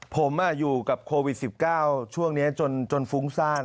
ผมอยู่กับโควิด๑๙ช่วงนี้จนฟุ้งซ่าน